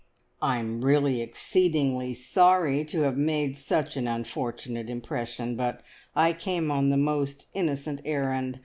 I'm really exceedingly sorry to have made such an unfortunate impression, but I came on the most innocent errand.